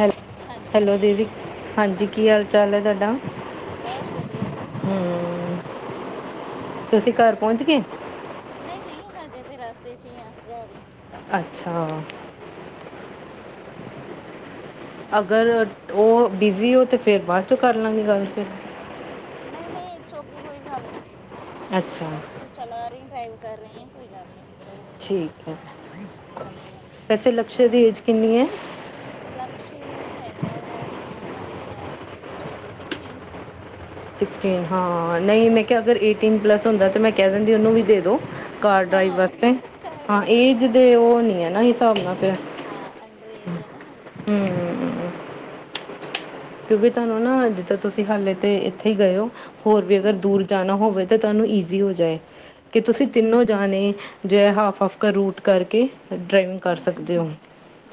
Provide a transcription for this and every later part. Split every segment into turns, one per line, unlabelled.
ਹੈਲ
ਹਾਂਜੀ
ਹੈਲੋ
ਹਾਂਜੀ
ਦੀਦੀ ਹਾਂਜੀ ਕੀ ਹਾਲ ਚਾਲ ਹੈ ਤੁਹਾਡਾ
ਸ਼- ਬਸ ਵਧੀਆ ਬਾਬੂ
ਹਮ ਤੁਸੀਂ ਘਰ
ਉਹ
ਪਹੁੰਚ ਗ
ਨਹੀਂ ਨਹੀਂ ਹਜੇ ਤੇ ਰਸਤੇ ਚ ਹੀ ਆ ਜਾਹੀ
ਅੱਛਾ ਅਗਰ
ਹੂੰ
ਉਹ ਬਿਜ਼ੀ ਹੋ ਤਾਂ ਫਿਰ ਬਾਅਦ ਚੋਂ ਕਰ ਲਵਗੇ ਗੱਲ ਫਿਰ
ਨਹੀਂ ਨਹੀਂ ਇਹ ਚੌੱਕੀ ਕੋਈ ਗੱਲ ਨਹੀਂ ਅੱਛਾ ਚਲਾ ਡਰਾਈਵ ਕਰ ਰਹੀ ਹ ਕੋਈ ਗੱਲ ਨਹੀਂੀ
ਠੀਕ ਹੈ
ਹਾਂਜੀ
ਵੈਸੇ ਲਕਸ਼ੇ ਦੀ ਏਜ ਕਿੰਨੀ ਹੈ
ਲਕਸ਼ ਹੈਗਾ ਆ ਆਪਣਾ ਸੋਰੀ ਸਿਕਸਟੀਨ
ਸਕਨ ਹਾਂ ਨਹੀਂ ਮੈਂ ਕਿਹਾ ਅਗਰ ਏਟੀਨ ਪਲੱਸ ਹੁੰਦਾ ਤਾਂ ਮੈਂ ਕਿਹਾ ਕਹਿ ਦਿੰਦੀ ਉਹਨੂੰ ਵੀ ਦੇ ਦਿਉ ਕਾਰ
ਹਾਂ
ਡਰਾਈਵ ਵਾਸਤੇ
ਕਾਰ
ਹਾਂ
ਡਰਾਈਵ
ਏਜ ਦੇ ਉਹ ਨੀ ਹੈ ਨਾ ਤਮਾਂ
ਹਾਂ, ਅੰਡਰ ਏਜ ਐਨਾ ਹਜੇ।
ਕਿਉਂਕਿ ਤੁਹਾਨੂੰ ਨਾ ਜਿੱਦਾਂ ਤੁਸੀਂ ਹਾਲੇ ਤੇ ਇੱਥੇ ਈ ਗਏ ਔ। ਹੋਰ ਵੀ
ਹੂੰ
ਅਗਰ
ਹੂੰ
ਦੂਰ ਜਾਣਾ ਹੋਵੇ ਤਾਂ ਤੁਹਾਨੂੰ ਈਜ਼ੀ ਹੋ ਜਾਏ। ਕਿ ਤੁਸੀਂ
ਬਿਲਕੁਲ
ਤਿੰਨੋ ਜਾਣੇ ਜੈ ਹਾਫ ਆਫ ਕਾ ਰੂਟ ਕਰਕੇ ਫੇਰ ਡਰਾਈਵਿੰਗ
ਹੂੰ
ਕਰ
ਹੂੰ
ਸਕਦੇ ਔ,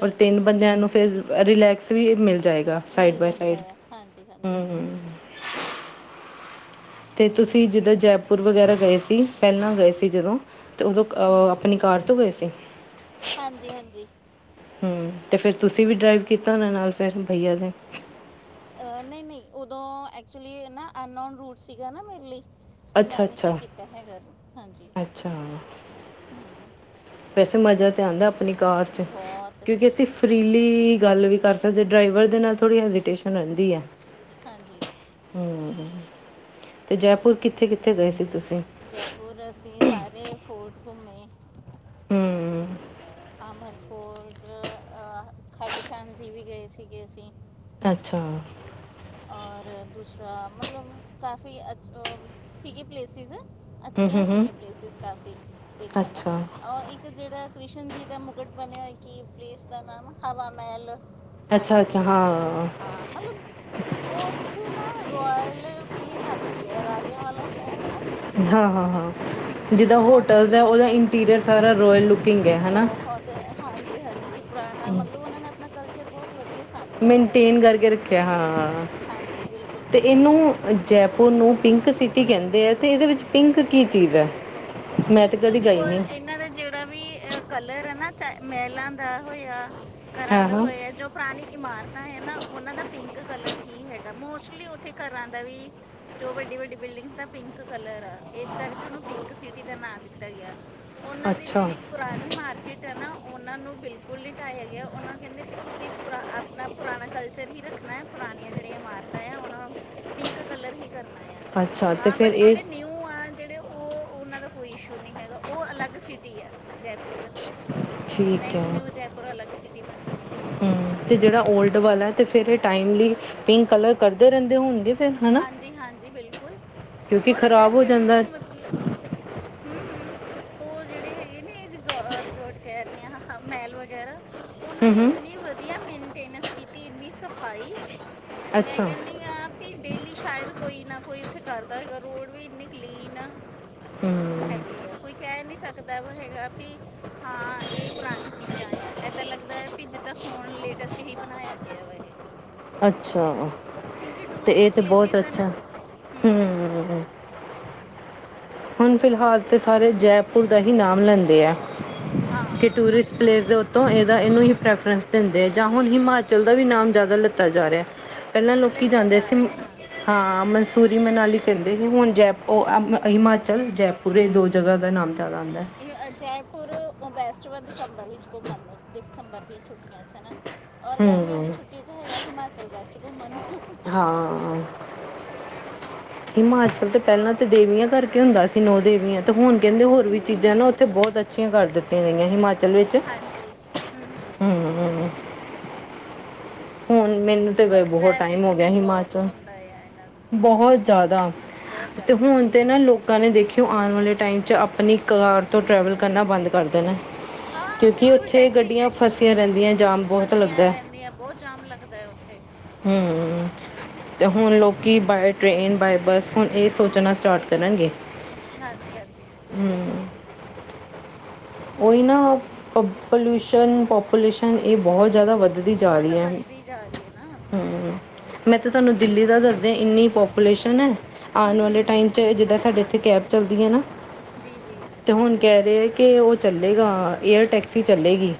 ਪਰ ਤਿੰਨ
ਬਿਲਕੁਲ
ਬੰਦਿਆਂ ਨੂੰ ਫੇਰ ਅ ਰਿਲੈਕ ਫ੍ਰੀ ਮਿਲ ਜਾਏਗਾ ਸਾਈਡ ਬਾਏ ਸ
ਦੈ ਆ ਹਾਂਜੀ ਹਾਂਜੀ।
ਤੇ ਤੁਸੀਂ ਜਿੱਦਾਂ ਜੈਪੁਰ ਵਗੈਰਾ ਗਏ ਸੀ, ਪੈਲਾਂ ਗਏ ਸੀ ਜਦੋਂ ਤੇ ਉਦੋ ਅਹ
ਹੂੰ
ਅਪਣੀ ਕਾਰ ਤੋਂ ਗਏ ਸੀ?
ਹਾਂਜੀ ਹਾਂਜੀ
ਹੂੰ, ਤੇ ਫੇਰ ਤੁਸੀਂ ਵੀ ਡਰਾਈਵ ਕੀਤਾ ਹੋਣੈ ਨਾਲ ਫੇਰ ਭਈਆ ਦੇ।
ਅਹ ਨਹੀਂ ਨਹੀਂ ਉਦੋਂ ਐਕਚੁਲੀ ਨਾ ਅਨਨੋਨ ਰੂਟ ਸੀਗਾ ਨਾ ਮੇਰੇ ਲਈ। ਤੇ
ਅੱਛਾ
ਮੈਂ ਨੀ ਸੀ
ਅੱਛਾ
ਕੀਤਾ ਹੈਗਾ, ਹਾਂਜੀ
ਅੱਛਾ
ਹੂੰ।
ਵੈਸੇ ਮਜ਼ਾ ਤੇ ਆਂਦੈ। ਅਪਣੀ ਕਾਰ ਚ
ਬਹੁਤ
ਕਿਉਂਕਿ ਅਸੀਂ ਫਰੀ ਲੀ ਗੱਲ ਵੀ ਕਰ ਸਕਦੇ ਡਰਾਈਵਰ ਦੇ ਨਾਲ ਥੋੜੀ ਹੈਜੀਟੇਸ਼ਨ ਰੈੰਦੀ ਐ।
ਹਾਂਜੀ
ਹੂੰ। ਤੇ ਜੈਪੁਰ ਕਿੱਥੇ ਕਿੱਥੇ ਗਏ ਸੀ। ਤੁਸੀਂ
ਜੈਪੁਰ ਅਸੀਂ ਸਾਰੇ ਫੋਰਟ ਘੁੰਮੇ
ਹੂੰ।
ਅਮਰ ਫੋਰਟ ਅ ਖਾਟੂ ਸ਼ਾਮ ਜੀ ਵੀ ਗਏ ਸੀਗੇ ਅਸੀਂ।
ਅੱਛਾ।
ਔਰ ਦੂਸਰਾ ਮਤਲਬ ਕਾਫ਼ੀ ਅਛ ਸੀਗੇ ਪਲੇਸਿਸ।
ਹੂੰ
ਅੱਛੀਆਂ
ਹੂੰ ਹੂੰ
ਸੀਗੀਆਂ ਪਲੇਸਿਸ ਕਾਫ਼ੀ ਦੇਖਣ ਨੂੰ।
ਅੱਛਾ
ਅਹ ਇੱਕ ਜੇੜਾ ਕ੍ਰਿਸ਼ਨ ਜੀ ਦਾ ਮੁਕਟ ਬਣਿਆ ਹੋਇਆ ਕਿ ਪਲੇਸ ਦਾ ਨਾਮ ਹਵਾ ਮੈਲ।
ਅੱਛਾ
ਹਾਂਜੀ
ਅੱਛਾ ਹਾਂ
ਹਾਂ, ਮਤਲਬ ਔਥੇ ਨਾ ਰੋਇਲ ਫੀਲਿੰਗ ਆਦੀ ਐ, ਰਾਜੇਆ ਵਾਲਾ ਸੈ਼ਰ ਐ ਨਾ।
ਹਾਂ ਹਾਂ ਹਾਂ,
ਹਮ
ਜਿੱਦਾਂ
ਬਹੁਤ
ਹੋਟਲਸ ਹੈ ਓਦਾ ਇੰਟੀਰੀਅਰ ਸਾਰਾ ਰੋਇਲ ਲੂਕ
ਬਹੌਤ ਹਾਂਜੀ ਹਾਂਜੀ, ਪੁਰਾਣਾ ਮਤਲਬ ਓਨਾਂ ਨੇ ਅਪਣਾ ਕਲ ਤੋੜ ਦੇਣੇ
ਮੇਨਟੇਨ ਕਰਕੇ ਰੱਖਿਆ ਹਾਂ
ਹਾਂਜੀ ਬਿਲਕੁਲ
ਤੇ
ਬਿਲਕੁਲ
ਇਹਨੂੰ ਜੈਪੁਰ ਨੂੰ ਪਿੰਕ ਸਿਟੀ ਕਹਿੰਦੇ ਤੇ ਇਹਦੇ ਵਿੱਚ ਪਿੰਕ ਕੀ ਚੀਜ਼ ਹੈ ਮੈਂ ਤਾਂ
ਪਿੰਕ
ਕਦੀ ਗਈ
ਬਿਕੋਜ
ਨਹੀਂ
ਇਹਨਾਂ ਦਾ ਜਿਹੜਾ ਵੀ ਕਲਰ ਹੈ ਨਾ ਚ ਮਹਿਲਾਂ ਦਾ ਹੋਇਆ ਕਰਨ
ਹਾਂ
ਦੇ
ਹਾਂ
ਹੋਏ ਹੈ ਜੋ ਪੁਰਾਣੀ ਇਮਾਰਤਾਂ ਹੈ ਨਾ ਉਹਨਾਂ ਦਾ ਪਿੰਕ ਕਲਰ ਹੀ ਹੈਗਾ ਮੋਸਟਲੀ ਉੱਥੇ ਘਰਾਂ ਦਾ ਵੀ ਜੋ ਵੱਡੀ ਵੱਡੀ ਬਿਲਡਿੰਗਸ ਦਾ ਪਿੰਕ ਕਲਰ ਆ ਇਸ ਕਰਕੇ ਉਹਨੂੰ ਪਿੰਕ ਸੀ ਟੀ ਦਾ ਨਾਂ ਦਿੱਤਾ ਗਿਆ ਉਹਨਾਂ ਦੀ
ਅੱਛਾ
ਜਿਹੜੀ ਪੁਰਾਣੀ ਮਾਰਕੀਟ ਹੈ ਨਾ ਉਹਨਾਂ ਨੂੰ ਬਿਲਕੁਲ ਨਹੀਂ ਢਾਇਆ ਗਿਆ ਉਹਨਾਂ ਨੂੰ ਕਹਿੰਦੇ ਵੀ ਤੁਸੀਂ ਪੁਰਾ ਆਪਣਾ ਪੁਰਾਣਾ ਕਲਚਰ ਹੀ ਰੱਖਣਾ ਹੈ ਪੁਰਾਣੀਆਂ ਜਿਹੜੀਆਂ ਇਮਾਰਤਾਂ ਆ ਉਹਨਾਂ ਨੂੰ ਪਿੰਕ ਕਲਰ ਹੀ ਕਰ
ਅੱਛਾ ਅਤੇ
ਹਾਂ
ਫਿਰ
ਬਟ
ਇਹ
ਜਹੜੇ ਨਿਊ ਆ ਜਿਹੜੇ ਉਹ ਉਹਨਾਂ ਦਾ ਕੋਈ ਇਸ਼ੂ ਨਹੀਂ ਹੈਗਾ ਉਹ ਅਲੱਗ ਸਿਟੀ ਆ ਜੈਪੁਰ ਬਣੀ
ਠੀਕ
ਨਹੀਂ ਉਹ
ਹੈ
ਨਿਊ ਜੈਪੁਰ ਅਲੱਗ ਸਿਟੀ ਬਣੀ ਹੋਈ ਹੈ
ਹਮ ਤੇ ਜਿਹੜਾ ਓਲਡ ਵਾਲਾ ਤੇ ਫੇਿਰ ਟਾਈਮਲੀ ਪਿੰਕ ਕਲਰ ਕਰਦੇ ਰਹਿੰਦੇ ਹੁੰਗੇ
ਹਾਂਜੀ ਹਾਂਜੀ ਬਿਲਕੁਲ
ਕਿਉਂਕਿ
ਔਰ
ਖ਼ਰਾਬ
ਯਾਰ
ਹੋ
ਜਿਹੜੇ
ਜਾਂਦਾ
ਮਤਲਬ ਹਮ-ਹਮ ਉਹ ਜਿਹੜੇ ਹੈਗੇ ਨੇ ਰਿਜੋਰਟ ਕਹਿ ਰਹੀ ਆ ਮਾਲ ਵਗੈਰਾ ਉਹਨਾਂ ਨੇ ਇੰਨੇ ਵਧਆ ਵਧੀਆ ਮੇਨਟੇਨੈਂਸ ਕੀਤੀ ਇਹਦੀ ਸਫਾਈ ਮੈਂ
ਅੱਛਾ
ਕਹਿੰਦੀ ਆਪ ਡੇਲੀ ਸ਼ਾਇਦ ਕੋਈ ਨਾ ਕੋਈ ਉੱਥੇ ਕਰਦਾ ਹੋਏਗਾ ਰੋਡ ਵੀ ਇੰਨੇ ਕਲੀਨ ਆ। ਹੈਗੀ ਆ। ਕੋਈ ਕਹਿ ਨਹੀਂ ਸਕਦਾ ਵਾ ਹੈਗਾ ਵੀ ਹਾਂ ਇਹ ਪੁਰਾਣੀ ਚੀਜ਼ਾਂ ਆ। ਇੱਦਾਂ ਲੱਗਦਾ ਹੈ ਵੀ ਜਿੱਦਾਂ ਹੁਣ ਲੇਟੈਸਟ ਹੀ ਬਣਾਇਆ ਗਿਆ ਵਾ ਇਹ।
ਅੱਛਾ।
ਕਿਉਂਕਿ
ਤੇ ਇਹ
ਟੂਰਿਸਟ
ਤਾਂ ਬਹੁਤ
ਪਲੇਸਿਸ ਹੈ ਨਾ
ਅੱਛਾ
ਹਮ
ਹੂੰ। ਹੁਣ ਫਿਲਹਾਲ ਤੇ ਸਾਰੇ ਜੈਪੁਰ ਦਾ ਹੀ ਨਾਮ ਲੈਂਦੇ ਆ। ਕਿ
ਹਾਂ
ਟੁਰਿਸਟ ਪਲੇਸ ਦੇ ਉਤੋਂ ਇਹਦਾ ਇਹਨੂੰ ਹੀ ਪ੍ਰਿਫਰੇਂਸ ਦਿੰਦੇ ਜਾਂ ਹੁਣ ਹਿਮਾਚਲ ਦਾ ਵੀ ਨਾਮ ਜ਼ਿਆਦਾ ਲਿੱਤਾ ਜਾ ਰਿਹਾ। ਪਹਿਲਾਂ ਲੋਕੀ
ਲੱਤਾ
ਜਾਂਦੇ
ਜਾ
ਸੀ।
ਰਿਹਾ ਹਾਂ
ਹਾਂ ਮਨਸੂਰੀ ਮਨਾਲੀ ਕਹਿੰਦੇ ਸੀ ਹੁਣ ਜੈਪੂਰ ਹਿਮਾ ਚਲ ਜੈਪੁਰ ਇਹ ਦੋ ਜਗ੍ਹਾ ਦਾ ਨਾਮ ਆਉਂਦਾ
ਇਹ ਅਜੈ ਫ ਬੈਸਟ ਦਸੰਬਰ ਵਿੱਚ ਘੁੰਮਣ ਦਸੰਬਰ ਦੀਆਂ ਛੁੱਟੀਆਂ ਚ ਹਨਾ। ਔਰ
ਹਮ
ਗਰਮੀਆਂ ਦੀ ਛੁੱਟੀ ਚ ਹੈਗਾ ਹਿਮਾਚਲ ਵੈਸਟ ਘੁੰਮਣ ਨੂੰ ਹਮ
ਹਾਂ ਹਿਮਾਚਲ ਤੇ ਪਹਿਲਾਂ ਤੇ ਦੇਵੀਆਂ ਕਰਕੇ ਹੁੰਦਾ ਸੀ ਨੌ ਦੇਵੀਆਂ ਤੇ ਹੁਣ ਕਹਿੰਦੇ ਹੋਰ ਵੀ
ਹਮ
ਚੀਜ਼ਾਂ ਨਾ
ਹਮ
ਉੱਥੇ ਬਹੁਤ ਅੱਛੀਆਂ ਕਰ ਦਿੱਤੀਆਂ ਗਈਆਂ ਹਿਮਾਚਲ ਵਿੱਚ
ਹਾਂਜੀ ਹੂੰ
ਹੂੰ। ਹੁਣ ਮੈਨੂੰ ਤੇ ਗਏ
ਪਰ
ਬਹੁਤ ਟਾਈਮ
ਟ੍ਰੈਫਿਕ
ਹੋ ਗਿਆ
ਵੀ ਬਹੁਤ
ਹਿਮਾਚਲ
ਹੁੰਦਾ ਹੈ ਇਹਨਾਂ ਦਿਨਾਂ 'ਚ
ਬਹੁਤ ਜ਼ਿਆਦਾ
ਬਹੁਤ
ਤੇ
ਜ਼ਿਆਦਾ
ਹੁਣ
ਟ੍ਰੈਫਿਕ
ਤੇ
ਹੈ
ਨਾ ਲੋਕਾਂ ਨੇ ਦੇਖਿਓ ਆਣ ਵਾਲੇ ਟਾਈਮ ਚ ਆਪਣੀ ਕਾਰ ਤੋਂ ਟ੍ਰੈਵਲ ਕਰਨਾ ਬੰਦ ਕਰਦੇ ਨੇ।
ਹਾਂ
ਕਿਉਂਕਿ
ਬਿਲਕੁਲ
ਉੱਥੇ
ਟੈਕਸੀ
ਗੱਡੀਆਂ ਫਸੀਆਂ ਰਹਿੰਦੀਆਂ ਜਾਮ ਬਹੁਤ ਲੱਗਦਾ ਐ।
ਦਾ ਐ ਉੱਥੇ।
ਹੂੰ ਤੇ
ਹੂੰ।
ਹੁਣ ਲੋਕੀ ਬਾਏ ਟ੍ਰਰੇਨ ਬਾਏ ਬੱਸ ਹੁਣ ਏ ਸੋਚਣਾ ਸਟਾਰਟ ਕਰਨਗੇ।
ਹਾਂਜੀ-ਹਾਂਜੀ ਬਿਲਕੁੱਲ।
ਉਹੀ ਨਾ ਪ ਪੌਲੀਊਸ਼ਨ ਪੋਪੂਲੇਸ਼ਨ ਏ ਬਹੁਤ ਜ਼ਿਆਦਾ ਵੱਧਦੀ ਜਾ
ਬਹੁਤ
ਰਹੀ ਐ।
ਵੱਧਦੀ ਜਾ ਰਹੀ ਹੈ ਨਾ ਹਾਂਜੀ
ਹੂੰ ਮੈਂ ਤਾਂ ਤੁਹਾਨੂੰ ਦਿੱਲੀ ਦਾ ਦੱਸਦੇ ਇੰਨੀ ਪੋਪੂਲੇਸ਼ਨ ਐ।
ਹੂੰ
ਆਣ ਵਾਲੇ ਟਾਈਮ ਚ
ਹੂੰ
ਜਿੱਦਾਂ ਸਾਡੇ ਇੱਥੇ ਕੈਬ ਚੱਲਦੀ ਐ ਨਾ
ਜੀ ਜੀ
ਤੇ ਹੁਣ ਕਹਿ ਰਹੇ ਆ ਕਿ ਏ ਉਹ ਚੱਲੇਗਾ ਏਅਰ ਟੈਕਸੀ ਚੱਲੇਗੀ।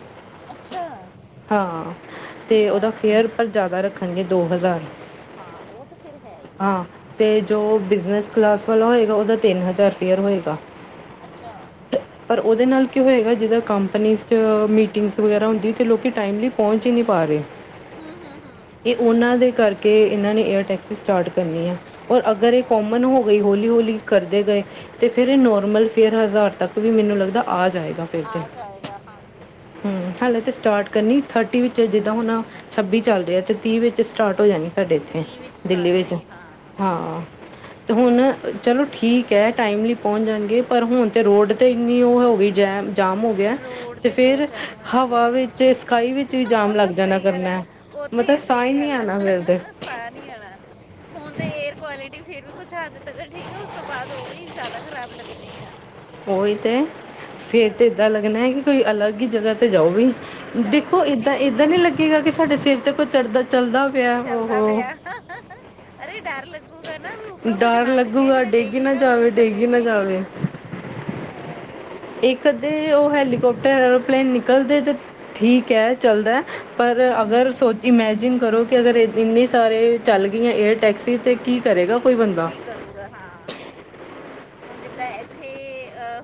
ਅੱਛਾ
ਹਾਂ ਤੇ ਉਹਦਾ
ਵਾਹ
ਫੇਅਰ ਜ਼ਿਆਦਾ ਰੱਖਣਗੇ ਦੋ ਹਜ਼ਾਰ
ਹਾਂ ਉਹ ਤਾਂ ਫਿਰ ਹੈ ਹੀ
ਹਾਂ ਤੇ ਜੋ ਬਿਜਨਸ ਕਲਾਸ ਵਾਲਾ ਹੋਏਗਾ ਉਹਦਾ ਤਿੰਨ ਹਜ਼ਾਰ ਫੇਅਰ ਹੋਏਗਾ।
ਹੈ ਅੱਛਾ
ਪਰ ਉਹਦੇ ਨਾਲ ਕੀ ਹੋਏਗਾ ਜ ਕੰਪਨੀ ਚ ਮੀਟਿੰਗਸ ਵਗੈਰਾ ਹੁੰਦੀ ਤੇ ਲੋਕ ਟਾਈਮਲੀ ਪਹੁੰਚ ਈ ਨੀ ਪਾ ਰੇ
ਹੂੰ ਹੂੰ ਹੂੰ
ਏ ਓਨਾਂ ਦੇ ਕਰਕੇ ਏਨਾਂ ਨੇ ਏਅਰ ਟੈਕਸੀ ਸਟਾਰਟ ਕਰਨੀ ਆ ਔਰ ਅਗਰ ਏ
ਕਰਨੀ ਆ
ਕੋਮਨ ਹੋ ਗਈ ਹੌਲੀ ਹੌਲੀ ਕਰਦੇ ਗਏ ਤੇ ਫਿਰ ਏ
ਹੂੰ
ਨੋਰਮਲ ਫਿਰ ਹਜ਼ਾਰ ਤੱਕ ਵੀ ਮੈਨੂੰ ਲੱਗਦਾ ਆ ਜਾਏਗਾ ਫਿਰ ਤੇ
ਆ ਜਾਏਗਾ ਹਾਂਜੀ
ਹੂੰ ਹਾਲੇ ਤੇ ਸਟਾਰਟ ਕਰਨੀ ਥਰਟੀ ਵਿੱਚ ਜਿੱਦਾ ਹੁਣ ਛੱਬੀ ਚੱਲ ਰਿਆ ਤੇ ਤੀਹ ਵਿੱਚ ਸਟਾਰਟ ਹੋ ਜਾਣੀ। ਸਾਡੇ ਇੱਥੇ
ਵਿੱਚ
ਦਿੱਲੀ
ਸਟਾਰਟ
ਵਿੱਚ
ਹੋਏਗੀ
ਹਾਂ ਤੇ ਹੁਣ ਚਲੋ ਠੀਕ ਐ ਟਾਈਮਲੀ ਪੌਂਚ ਜਾਣਗੇ ਪਰ ਹੁਣ ਤੇ ਰੋਡ ਤੇ ਇੰਨੀ ਓ ਹੋ ਗਈ ਜੈਮ ਜਾਮ ਹੋ ਗਿਆ
ਰੋਡ
ਤੇ
ਬਹੁਤ
ਫਿਰ
ਜਾਮ ਹੋਇਆ ਪਿਆ
ਹਵਾ ਵਿੱਚ
ਹਾਂ
ਸਕਾਈ ਵਿੱਚ ਵੀ ਜਾਮ ਲੱਗ ਜਾਣਾ ਕਰਨਾ
ਓਥੇ
ਮਤਲਬ
ਈ
ਸਾਹ ਹੀ
ਸਹੀ
ਨਹੀਂ
ਗੱਲ ਐ
ਆਣਾ ਫਿਰ ਤੇ
ਸਾਹ ਨੀ ਆਣਾ ਹੁਣ ਤੇ ਏਅਰ ਕੁਆਲਿਟੀ ਫਿਰ ਕੁੱਛ ਹੱਦ ਤੱਕ ਠੀਕ ਆ ਉਸ ਤੋਂ ਬਾਦ ਓ ਵੀ ਜ਼ਿਆਦਾ ਖ਼ਰਾਬ ਲੱਗਣੀ ਆ
ਓਹੀ ਤੇ ਫਿਰ ਇਹਦਾ ਤੇ
ਹਾਂ
ਏਦਾਂ ਲੱਗਣਾ ਐ ਕਿ ਕੋਈ ਅਲੱਗ ਹੀ ਜਗਾ 'ਤੇ ਜਾਓ ਵੀ
ਜਾਓ
ਦੇਖੋ
ਬਈ
ਏਦਾਂ ਏਦਾਂ ਨਹੀਂ ਲੱਗੇਗਾ ਕਿ ਸਾਡੇ ਸਿਰ ਤੇ ਕੋਈ ਚੜ੍ਹਦਾ ਚੱਲਦਾ ਪਿਆ
ਚੱਲਦਾ
ਉਹ
ਪਿਆ ਅਰੇ ਡਰ ਲੱਗਦਾ ਗ ਕਰਨਾ ਵੀ ਉੱਪਰੋਂ ਕੁੱਛ ਨੰਘ ਕੇ ਕਿਤੇ ਡੇਗੀ ਨਾ
ਜਾਵੇ
ਪਵੇ ਥੱਲੇ
ਡੇਗੀ ਨਾ ਜਾਵੇ
ਹਾਂ
ਇੱਕ ਅੱਧੇ ਉਹ ਹੈਲੀਕੋਪਟਰ ਐਰੋਪਲੇਨ ਨਿਕਲਦੇ ਤੇ ਠੀਕ ਹੈ ਚੱਲਦਾ ਪਰ ਅਗਰ ਸੋਚ ਇਮੈਜਿਨ ਕਰੋ। ਕਿ ਅਗਰ ਇੰਨ ਨੀ ਸਾਰੇ ਚੱਲ ਗਈਆਂ ਏਅਰ ਟੈਕਸੀ ਤਾਂ ਕੀ ਕਰੇਗਾ। ਕੋਈ ਬੰਦਾ
ਕੀ ਕਰੂਗਾ ਹਾਂ। ਹੁਣ ਜਿੱਦਾਂ ਇੱਥੇ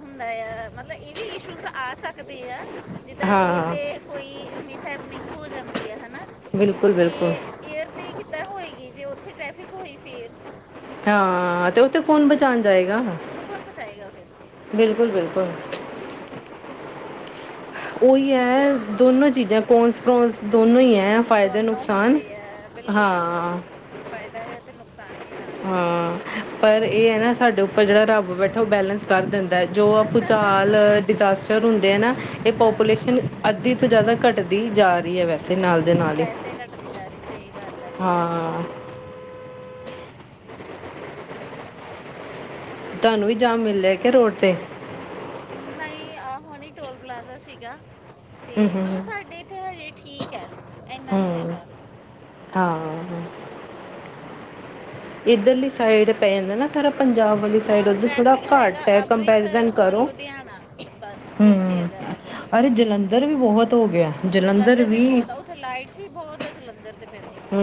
ਹੁੰਦਾ ਆ ਮਤਲਬ ਇਹ ਵੀ ਇਸ਼ੂਜ਼ ਆ ਸਕਦੇ ਆ। ਜਿੱਦਾਂ ਰੋਡ
ਹਾਂ
ਤੇ ਕੋਈ ਮਿਸ ਹੈ। ਨਿੰਗ ਹੋ ਜਾਂਦੀ ਹੈ ਹਨ ਹੈ ਨਾ
ਬਿਲਕੁਲ
ਤੇ
ਬਿਲਕੁਲ
ਏਅਰ ਤੇ ਕਿੱਦਾਂ ਹੋਏਗੀ ਜੇ ਉੱਥੇ ਟਰੈਫਿਕ ਹੋਈ ਫਿਰ
ਹਾਂ ਤੇ ਉੱਥੇ ਕੌਣ ਬਚਾ। ਜਾਏਗਾ।
ਉੱਥੇ ਕੌਣ ਬਚਾਏਗਾ ਫਿਰ
ਬਿਲਕੁਲ ਬਿਲਕੁਲ
ਹੂੰ
ਉਹ ਹੀ ਹੈ ਦੋਨੋਂ ਚੀਜ਼ਾਂ ਕੋਂਸ ਪ੍ਰੋਂਸ ਦੋਨੋਂ ਹੀ ਹੈ। ਫਾਇਦੇ
ਦੋਨੋ
ਨੁਕਸਾਨ
ਹੁੰਦੇ ਆ ਬਿਲਕੁਲ- ਬਿਲਕੁਲ
ਹਾਂ
ਹਮ ਫਾਇਦਾ ਤੇ ਨੁਕਸਾਨ ਵੀ ਨਾਲ ਹੀ ਆ
ਹਾਂ, ਪਰ ਏ ਐ ਨਾ ਸਾਡੇ ਉੱਪਰ ਜਿਹੜਾ ਰੱਬ ਬੈਠਾ ਓ ਬੈਲਂਸ ਕਰ ਦੇਂਦਾ ਜੋ ਭੂਚਾਲ, ਡਿਜ਼ਾਸਟਰ ਹੂ [inaudible] ਏਹ
ਹਾਂ
ਪੋਪੂਲੇਸ਼ਨ ਅੱਧੀ ਤੋ ਜੈਦਾ ਘੱਟਦੀ ਜਾ ਰਹੀ ਏ ਵੈਸੇ ਨਾਲ ਦੇ ਨਾਲ ਹੀ
ਵੈਸੇ ਕੱਟਦੀ ਜਾ ਰੀ ਸਹੀ ਗੱਲ ਐ।
ਹਾਂ ਤੋਆਨੂੰ ਵੀ ਜਾਮ ਮਿਲਆ ਕਿ ਰੋਡ ਤੇ
ਨਈ ਆ ਹੁਨੀ ਟੋਲ ਪਲਾਜ਼ਾ ਸੀਗਾ। ਤੇ
ਹੂੰ
ਮਲਬ
ਹੂੰ
ਸਾਡੇ ਏਥੇ ਹਜੇ ਠੀਕ ਐ। ਏਨਾ
ਹੂੰ
ਨੀ
ਹੂੰ
ਹੈਗਾ
ਹਾਂ ਏਧਰ ਲੀ ਸਾਈਡ ਪੈ ਜਾਂਦਾ ਨਾ ਸਾਰਾ ਪੰਜਾਬ ਵਾਲੀ ਸਾਈਡ
ਹਾਂ
ਉਧਰ ਥੋੜਾ
ਟ੍ਰੈਫਿਕ ਹੈਗਾ
ਕਾੱਟ ਐ
ਅੰਮ੍ਰਿਤਸਰ
ਕੰਪੈਰੀਜਨ
ਔਰ
ਕਰੋ।
ਲੁਧਿਆਣਾ ਬਸ ਉੱਥੇ ਹੈ
ਹੂੰ,
ਜ਼ਿਆਦਾ ਟ੍ਰੈਫਿਕ
ਅਰੇ ਜਲੰਧਰ ਵੀ ਬੋਹਤ ਹੋਗਆ ਜਲੰਧਰ ਵੀ
ਬਹੁਤ ਆ ਉੱਥੇ ਲਾਈਟਸ ਹੀ ਬਹੁਤ [unintelligible]
ਹੂੰ।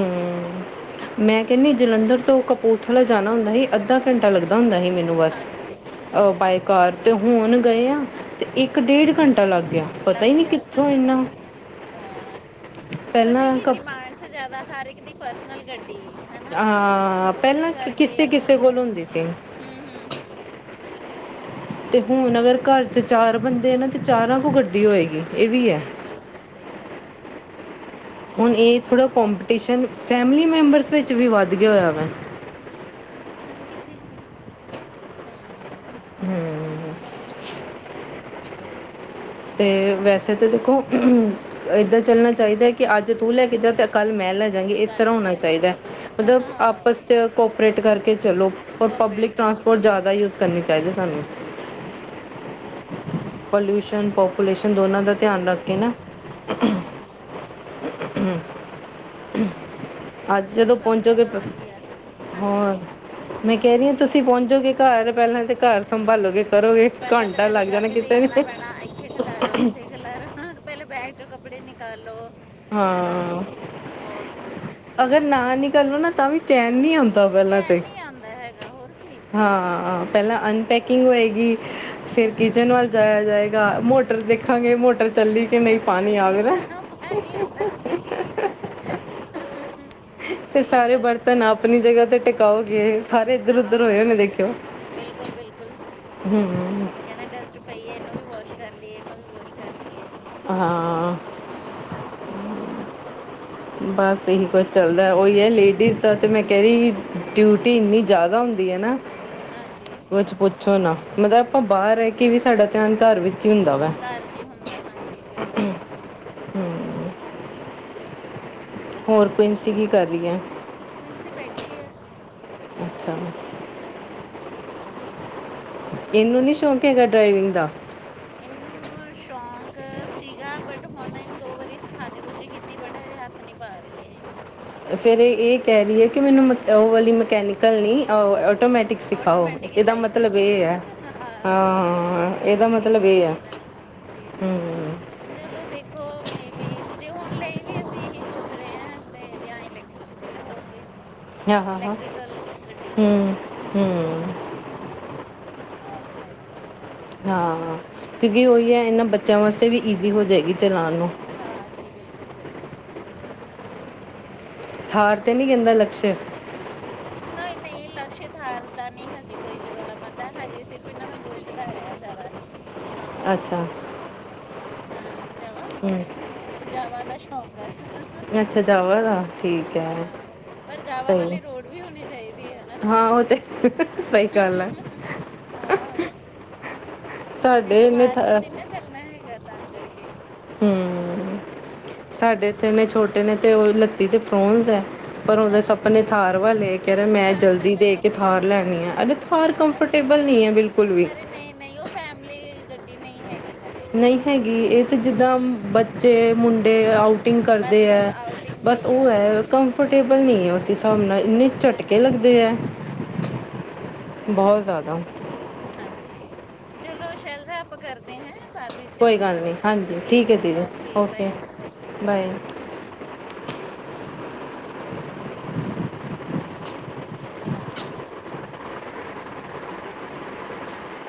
ਮੈਂ ਕੈਨੀ ਜਲੰਧਰ ਤੋ ਕਪੂਰਥਲਾ ਜਾਨਾ ਹੁੰਦਾ ਸੀ, ਅੱਧਾ ਘੰਟਾ ਲੱਗਦਾ ਹੁੰਦਾ ਸੀ। ਮੇਨੂੰ ਬਸ
ਹਾਂਜੀ ਹਮ ਹਮ
ਬਾਏ ਕਾਰ ਤੇ ਹੁਨ ਗਏ ਆਂ। ਤੇ ਏਕ ਡੇਢ [inaudible] ਪਤਾ
ਲੱਗ
ਹੀ ਨਹੀਂ
ਗੇਆ
ਕਿੱਥੋਂ ਇੰਨਾ
[unintelligible] ਹਾਂ ਓ ਪਤਾ
ਪਹਿਲਾਂ
ਕੀ
ਕ
ਡਿਮਾਂਡਸ ਜੈਦਾ ਹਰ ਇਕ ਦੀ ਪਰਸਨਲ ਗੱਡੀ। ਹੈਨਾ
ਹਾਂ
ਓਦੇ
ਪਹਿਲਾਂ
ਕਰਕੇ
ਕਿਸੇ
ਹੋ
ਕਿਸੇ
ਗੇਆ।
ਕੋਲ ਹੁੰਦੀ ਸੀ
ਹੂੰ, ਹੂੰ, ਹੂੰ
ਤੇ ਹੁਨ ਅਗਰ ਘਰ ਚ ਚਾਰ ਬੰਦੇ ਨਾ, ਤੇ ਚਾਰਾ ਕੋ ਗੱਡੀ ਹੋਏਗੀ। ਇਹ ਵੀ ਹੈ
ਬਿਲਕੁਲ ਸਹੀ ਗੱਲ। ਹੈ
ਹੁਨ ਏ ਥੋੜਾ ਕੋਪੀਟੀਸ਼ਨ ਫੈਮਲੀ ਮੈਂਬਰਸ ਵਿੱਚ ਵੀ ਵੱਧ ਗਿਆ [inaudible] ਵਾ।
ਹਾਂ ਕਿੱਥੇ [inaudible] ਹੂੰ।
ਹੂੰ। ਤੇ ਵੈਸੇ ਤੇ ਦੇਖੋ [unintelligible] ਏਦਾਂ ਚੱਲਨਾ ਚਾਈਦਾ ਕਿ ਅੱਜ ਤੂ ਲੈ ਕੇ ਜਾ ਤੇ ਕਲ ਮੈਂ ਲੈ ਏਸ
ਕੱਲ
ਤਰਾਂ
ਨੂੰ
ਹੋਨਾ
ਮੈਂ ਲੈ
ਚਾਈਦੈ,
ਚੱਲੂ
ਮਤਬ
ਹਾਂ
ਆਪਸ ਚ ਕੋਪਰੇਟ ਕਰਕੇ ਚਲੋ ਪਬਲਿਕ ਟਰਾਂਸਪੋਰਟ ਜੈਦਾ ਯੂਜ ਕਰਨੀ ਚਾਈਦੀ ਸਾਨੂੰ [inaudible] ਪੋਪੂਲੇਸ਼ਨ ਦੋਨਾਂ ਦਾ ਧਿਆਨ ਰੱਖ ਕੇ ਨਾ [unintelligible]
ਹੂੰ ਹੂੰ
[unintelligible] ਅਜ
ਚਲੋ
ਜਦੋ
ਸਭ ਦੇ
ਪੋਚੋਂਗੇ [inaudible]
ਨਾਲ ਹੀ ਆ ਹਾਂਜੀ
ਹੋਰ ਮੈ ਕੈ ਰੀ ਆਂ ਤੁਸੀ ਪੋਚੋਂਗੇ [inaudible] ਪਹਿਲਾਂ ਤਾਂ ਘਾਰ ਸੰਭਾਲੋਗੇ ਕਰੋਗੇ ਘੰਟਾ ਲੱਗ ਜਾਨਾ ਕਿਤੇ ਵੀ [unintelligible]
ਇਥੇ ਖਲਾਰਾ, ਓਥੇ ਖਲਾਰਾ ਪੈਲੇ ਬੈਗ ਜੋ ਕੱਪੜੇ ਨਿਕਾਲੋ ਹੈਨਾ
ਹਾਂ,
ਬਹੁਤ ਹੁੰਦਾ ਹੈ
ਅਗਰ ਨਾ [inaudible] ਤਾਂ ਵੀ ਚੈਨ ਨੀ ਆਂਦਾ ਪਹਿਲਾਂ
ਚੈਨ
ਤੇ,
ਨਹੀਂ ਆਉਂਦਾ ਹੈਗਾ ਹੋਰ ਕੀ
ਹਾਂ ਪਹਿਲਾਂ ਅਨਟੈਕ [inaudible] ਫੇਰ
ਹਾਂ
ਕਿਚਨ ਵਲ ਜਾਏਆ ਜਾਏ ਮੋਟਰ
ਹੂੰ
ਦੇਖਾਂਗੇ ਮੋਟਰ ਚੱਲੀ। ਕਿ ਨਹੀਂ ਪਾਣੀ ਆ ਵੇਗਾ
ਹਾਂਜੀ ਆਉਂਦਾ ਕਿ ਨਹੀਂ।
ਫ
ਸਹੀ
ਸਾਰੇ
ਬਾਤ ਹੈ
ਬਰਤਨ ਆਪਣੀ ਜਗ੍ਹਾ ਤੇ ਟਿਕਓਗੇ ਸਾਰੇ ਇੱਧਰ ਉਧਰ
ਹਾਂ
ਹੋਏ ਹੋ ਨੇ ਦੇਖਿਓ,
ਬਿਲਕੁਲ ਬਿਲਕੁਲ
ਹੂ।
ਉਨ੍ਹਾਂ ਨੂੰ ਵੀ ਵਾਸ਼ ਕਰ ਲਈਏ।
ਹਾਂ।
ਹੂ
ਬਸ ਇਹੀ ਕੁਝ ਚੱਲਦਾ ਐ। ਉਹਹੀ ਹੈ ਲੇਡੀਜ਼
ਨਹੀਂ ਹੈ
ਦਾ
ਨਹੀਂ
ਤਾਂ ਮੈਂ ਕਹਿ ਰਹੀ ਡਿਊ ਇੰਨੀ ਜ਼ਿਆਦਾ ਹੁੰਦੀ ਹੈ ਨਾ।
ਹਾਂਜੀ
ਕੁਛ ਪੁੱਛੋ ਨਾ ਮਤਲਬ ਆਪਾਂ
ਹੂੰ
ਬਾਹਰ ਰਹਿ ਕੇ ਵੀ ਸਾਡਾ ਧਿਆਨ। ਘਰ ਵਿੱਚ। ਹੀ ਹੁੰਦਾ ਵਾ
ਘਰ ਚ ਹੀ ਹੁੰਦਾ ਹਾਂਜੀ। ਬਿਲਕੁਲ। ਨਹੀਂ ਤੇ
ਹੋਰ
ਹੈ
ਪ੍ਰਿੰਸੀ
ਬਿਲਕੁਲ
ਕੀ ਕਰ ਰਹੀ ਹੈ,
ਕੁਇੰਸੀ ਬੈਠੀ ਹੈ
ਅੱਛਾ।
ਹਾਂ ਬੋਰ ਹੋ
ਇਹਨੂੰ ਨਹੀਂ
ਰਹੇ,
ਸ਼ੌਂਕ ਹੈਗਾ ਡਰਾਈਵਿੰਗ ਦਾ
ਇਹਨੂੰ ਸ਼ੌਕ ਸੀਗਾ ਬ ਹੁਣ ਏਨੂੰ ਦੋ ਵਾਰੀ ਸਿਖਾਣੇ ਦੀ ਕੋਸ਼ਿਸ਼ ਕੀਤੀ, ਬਟ ਹਜੇ ਹੱਥ ਨੀ ਪਾ ਰਹੀ ਇਹ।
ਫਿਰ ਇਹ ਕਹਿ ਰਹੀ ਹੈ ਕਿ ਮੈਨੂੰ ਮ ਉਹ ਵਾਲੀ ਮਕੈਨੀਕਲ ਨਹੀਂ ਔ
ਆਟੋਮੈਟਿਕ ਚਾਹੀਦੀ
ਹੈ ਹਾਂ ਇਹਦਾ
ਆਟੋਮੈਟਿਕ
ਮਤਲਬ ਇਹ
ਚਾਹੀਦੀ
ਹੈ
ਇਹਨਾਂ ਨੂੰ ਜੀ ਜੀ
ਹੂੰ
ਚਲੋ ਦੇਖੋ ਮੇਬੀ ਜੇ ਹੁਣ ਲਈ ਵੀ ਅਸੀਂ ਇਹੀ ਸੋਚ ਤੇ ਜਾਂ ਇਲੈਕਟ੍ਰੀਸਿਟੀ ਲਵਾਉਣਗੇ
ਆਹ ਹਾਂ ਹਾਂ ਹੂ ਹੂ
ਆਟੋਮੈਟਿਕਲੀ ਦੇਖਾਂ
ਹਾਂ ਕਿਉਂਕਿ ਉਹੀ ਹੈ ਇਹਨਾਂ ਬੱਚਿਆਂ ਵਾਸਤੇ ਵੀ ਈਜ਼ੀ ਹੋ ਜਾਏਗੀ। ਚਲਾਉਣ ਨੂੰ
ਹਾਂਜੀ ਬਿਲਕੁਲ ਬਿਲਕੁਲ
ਥਾਰ ਤੇ ਨਹੀਂ ਕਹਿੰਦਾ ਲਕਸ਼
ਨਹੀ ਨਹੀ ਲਕਸ਼ ਥਾਰ ਦਾ ਨੀ ਹਜੇ ਕੋਈ ਵੀ ਰੌਲਾ ਪਾਉਂਦਾ, ਹਜੇ ਸਿਰਫ ਇਹਨਾਂ ਦਾ ਬੁਲਟ ਦਾ ਹੈ ਜ਼ਿਆਦਾ। ਸ਼ੋਂਕ [unintelligible]
ਅੱਛਾ
ਹੂ ਜਾਵਾਂ
ਹੂੰ
ਜਾਵਾਂ ਨਸ਼ਾ ਹੁੰਦਾ ਐ।
ਅੱਛਾ ਜਾਵਾ ਦਾ ਠੀਕ ਹੈ,
ਹਾਂ, ਪਰ ਜਾਵਾ
ਸਹੀ।
ਵਾਲੀ ਰੋਡ ਵੀ ਹੋਣੀ ਚਾਹੀਦੀ ਹੈ ਨਾ,
ਹਾਂ ਉਹ ਤੇ ਸਹੀ ਗੱਲ ਹੈ
ਆਹੋ
ਸਾਡੇ ਇਹਨੇ
ਹਵਾ ਚ ਨੀ ਨਾ ਚੱਲਣਾ ਹੈਗਾ ਤਾਂ ਕਰ ਕੇ
ਹੂੰ ਸਾਡੇ ਇਥੇ ਇਨੇ ਛੋਟੇ ਨੇ ਤੇ ਉਹ ਲਿਤੀ ਤੇ ਫਰੋਨਸ ਹੈ। ਪਰ ਉਹਦੇ
ਹਾਂਜੀ
ਸਪਨੇ ਥਾਰ ਵਾਲੇ ਕਹਿ ਰਿਹਾ ਮੈਂ ਜਲਦੀ ਦੇ ਕੇ ਥਾਰ ਲੈਣੀ ਆ। ਅਰੇੇ Thar
oh my god
comfortable ਨਹੀਂ ਹੈ ਬਿਲਕੁਲ ਵੀ।
ਦੀ ਨਹੀਂ ਹੈਗੀ। ਨਾਲੇ
ਨਹੀਂ ਹੈਗੀ ਇਹ ਤੇ
ਹੂੰ
ਜਿੱਦਾਂ ਬੱਚੇ ਮੁੰ ਡੇ ਆਊ ਟਿੰਗ
ਬਸ
ਕਰਦੇ
ਬਸ
ਹੈ।
ਆਊਟਿੰਗ
ਬਸ
ਲਈ ਆ
ਉਹ ਹੈ
ਹਾਂ
ਕਮਫਰਟੇਬਲ ਨਹੀਂ ਹੈ ਉਹ [unintelligible] ਇੰਨੇ ਝਟਕੇ
ਹਾਂਜੀ
ਲੱਗਦੇ ਆ। ਬਹੁਤ
ਹਮ,
ਜ਼ਿਆਦਾ।
ਹਾਂਜੀ ਚਲੋ ਸ਼ੈਲ ਦਾ ਆਪਾਂ ਕਰਦੇ ਹੈਂ।
ਕੋਈ ਗੱਲ ਨਹੀਂ ਹਾਂਜੀ ਠੀਕ ਹੈ ਦੀਦੀ
bye
okay
bye
bye.
Task ਪੂਰਾ।